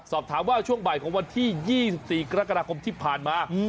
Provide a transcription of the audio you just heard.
สอบถามว่าช่วงบ่ายของวันที่๒๔กรกฎาคมที่ผ่านมา